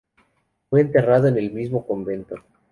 Fue enterrado en el mismo convento.